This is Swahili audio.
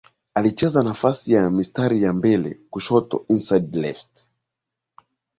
Alicheza nafasi ya mstari wa mbele kushoto Inside left